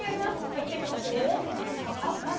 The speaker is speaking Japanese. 入っていきますよ。